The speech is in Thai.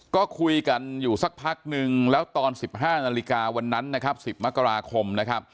ก็คุยกันอยู่สักพักหนึ่งแล้วตอน๑๕นาฬิกาวันนั้น๑๐มกราคม